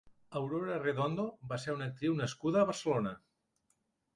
Aurora Redondo va ser una actriu nascuda a Barcelona.